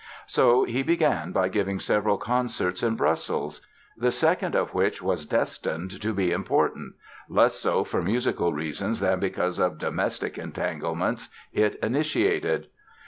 So he began by giving several concerts in Brussels, the second of which was destined to be important—less so for musical reasons than because of domestic entanglements it initiated.